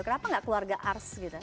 kenapa nggak keluarga ars gitu